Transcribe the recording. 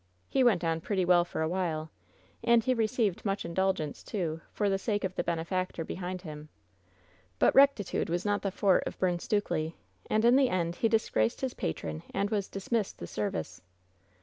He went on pretty well for a while. And he received much indul gence, too, for the sake of the benefactor behind him But rectitude was not the forte of Byrne Stukely, and ii the end he disgraced his patron and was dismissed the service."